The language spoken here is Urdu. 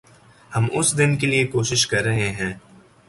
ہم اس دن کے لئے کوشش کررہے ہیں